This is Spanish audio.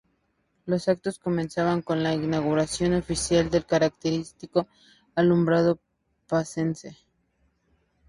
Los actos comienzan con la inauguración oficial del característico alumbrado pacense.